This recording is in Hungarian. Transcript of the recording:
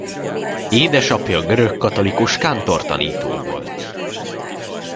Édesapja görögkatolikus kántortanító volt.